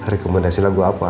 rekomendasi lagu apa